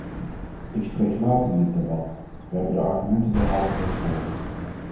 Ik spreek laat in dit debat, we hebben de argumenten derhalve reeds gehoord.